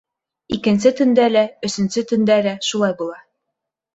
Икенсе төндә лә, өсөнсө төндә лә шулай була.